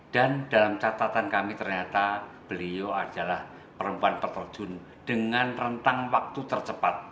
dalam catatan kami ternyata beliau adalah perempuan peterjun dengan rentang waktu tercepat